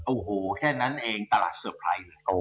โอ้โหแค่นั้นเองตลาดเซอร์ไพรส์เลย